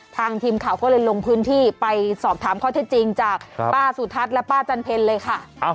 ทีมข่าวก็เลยลงพื้นที่ไปสอบถามข้อเท็จจริงจากป้าสุทัศน์และป้าจันเพลเลยค่ะ